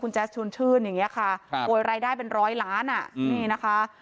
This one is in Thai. แจ๊สชวนชื่นอย่างนี้ค่ะโอยรายได้เป็นร้อยล้านอ่ะนี่นะคะ